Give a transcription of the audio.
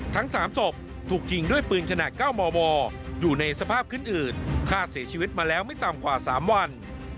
ทั้ง๓ศพถูกยิงด้วยปืนขนาด๙มมอยู่ในสภาพขึ้นอืดฆ่าเสียชีวิตมาแล้วไม่ต่ำกว่า๓วัน